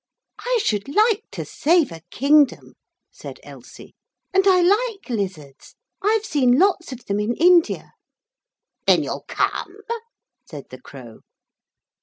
'I should like to save a kingdom,' said Elsie, 'and I like lizards. I've seen lots of them in India.' 'Then you'll come?' said the Crow.